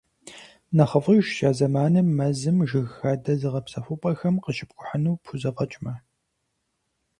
НэхъыфӀыжщ а зэманым мэзым, жыг хадэ зыгъэпсэхупӀэхэм къыщыпкӀухьыну пхузэфӀэкӀмэ.